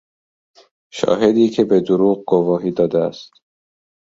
شاهدی که به دروغ گواهی داده است